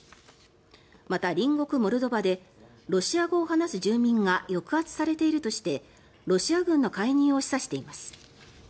また、隣国モルドバでロシア語を話す住民が抑圧されているとしてロシア軍の介入を示唆しています。